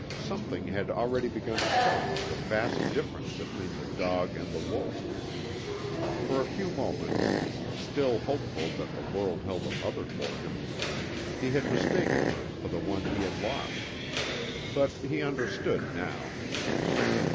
Something had already begun to tell him of the vast difference between the dog and the wolf. For a few moments, still hopeful that the world held a mother for him, he had mistaken her for the one he had lost. But he understood now.